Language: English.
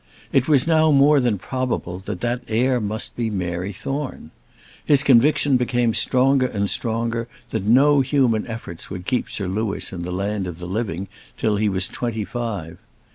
It was now more than probable that that heir must be Mary Thorne. His conviction became stronger and stronger that no human efforts would keep Sir Louis in the land of the living till he was twenty five.